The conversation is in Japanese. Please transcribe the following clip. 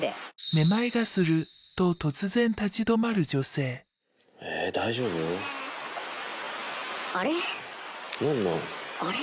「めまいがする」と突然立ち止まる女性あれ？